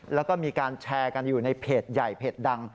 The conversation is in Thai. แล้วก็มีการแชร์กันอยู่ในเพจใหญ่เพจดัง